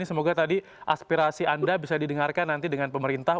semoga tadi aspirasi anda bisa didengarkan nanti dengan pemerintah